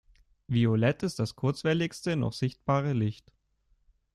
Violett ist das kurzwelligste noch sichtbare Licht.